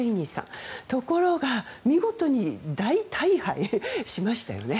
ところが、見事に大敗しましたよね。